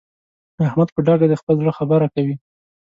احمد په ډاګه د خپل زړه خبره کوي.